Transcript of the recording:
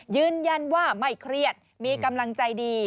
ยืนยันว่าไม่เครียดมีกำลังใจดี